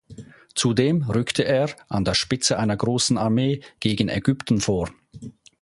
Zudem rückte er, an der Spitze einer großen Armee, gegen Ägypten vor.